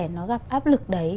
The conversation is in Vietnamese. nó gặp áp lực đấy